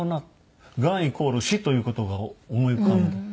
がんイコール死という事が思い浮かんで。